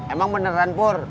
emang beneran pur